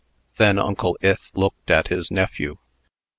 Then Uncle Ith looked at his nephew.